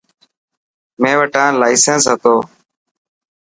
مين وٽا لائيسن هتو.